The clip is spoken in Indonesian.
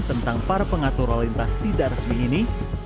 tentang para pengatur lalu lintas tidak resmi ini